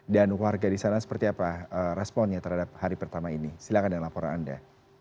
dan keluarga di sana seperti apa responnya terhadap hari pertama ini silahkan dengan laporan anda